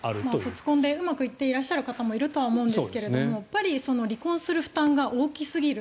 卒婚でうまくいっていらっしゃる方もいると思うんですがやっぱり離婚する負担が大きすぎる。